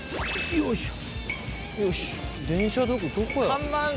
よいしょ。